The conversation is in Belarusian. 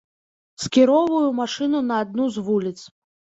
Скіроўваю машыну на адну з вуліц.